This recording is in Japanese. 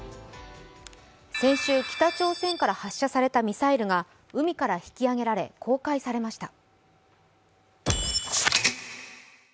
先週、北朝鮮から発射されたミサイルが海から引き揚げられ公開されました。